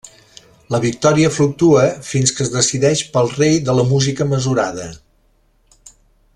La victòria fluctua, fins que es decideix pel rei de la música mesurada.